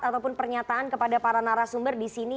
ataupun pernyataan kepada para narasumber di sini